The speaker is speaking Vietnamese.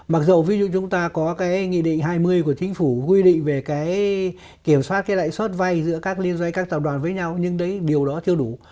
mặc dù ví dụ chúng ta có cái nghị định hai mươi của chính phủ quy định về cái kiểm soát cái lãi suất vay giữa các liên doanh các tàu đoàn với nhau nhưng đấy điều đó chưa đủ